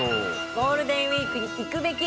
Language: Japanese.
ゴールデンウィークに行くべき！